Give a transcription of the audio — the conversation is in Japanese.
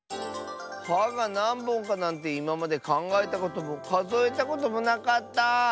「は」がなんぼんかなんていままでかんがえたこともかぞえたこともなかった。